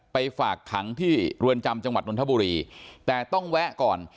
ฝากขังที่เรือนจำจังหวัดนทบุรีแต่ต้องแวะก่อน